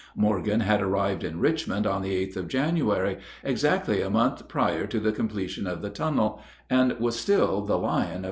Morgan had arrived in Richmond on the 8th of January, exactly a month prior to the completion of the tunnel, and was still the lion of the Confederate capital.